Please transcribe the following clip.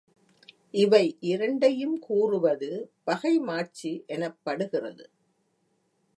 இவை இரண்டையும் கூறுவது பகைமாட்சி எனப்படுகிறது.